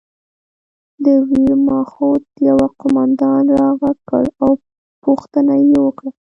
د ویرماخت یوه قومندان را غږ کړ او پوښتنه یې وکړه